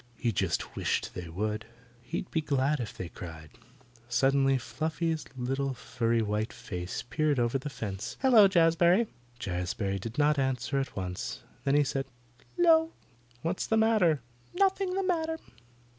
He just wished they would. He'd be glad if they cried. Suddenly Fluffy's little furry white face peered over the fence. "Hello, Jazbury." Jazbury did not answer at once. Then he said, "'Lo!" "What's the matter?" "Nothing the matter."